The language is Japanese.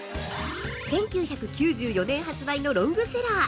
１９９４年年発売のロングセラー！